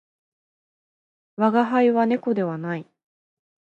我が輩は猫ではない